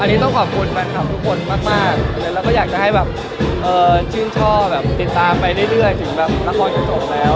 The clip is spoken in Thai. อันนี้ต้องขอบคุณทุกคนมากแล้วก็อยากให้ชื่นช่อติดตามไปได้เรื่อยถึงละครจะจบแล้ว